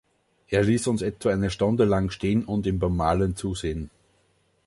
Er ließ uns etwa eine Stunde lang stehen und ihm beim Malen zusehen.